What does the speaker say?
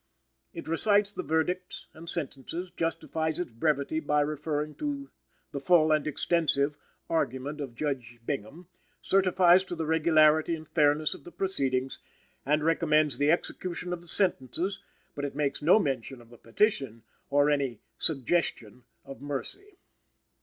It recites the verdicts and sentences; justifies its brevity by referring to "the full and exhaustive" argument of Judge Bingham; certifies to the regularity and fairness of the proceedings; and recommends the execution of the sentences; but it makes no mention of the Petition, or any "suggestion" of mercy.